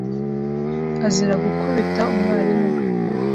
azira gukubita umwalimu we